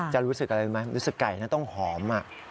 จะรู้สึกอะไรไหมรู้สึกไก่นะต้องหอม